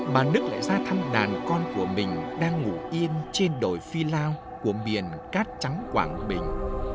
mà đức lại ra thăm đàn con của mình đang ngủ yên trên đồi phi lao của miền cát trắng quảng bình